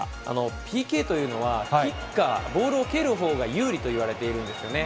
ＰＫというのは、キッカー、ボールを蹴るほうが有利といわれているんですよね。